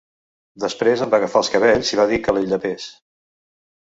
Després em va agafar els cabells i va dir que la hi llepés.